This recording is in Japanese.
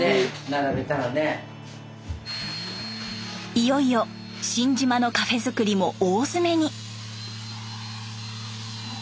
いよいよ新島のカフェ造りも大詰めに。